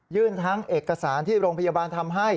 ทั้งเอกสารที่โรงพยาบาลทำให้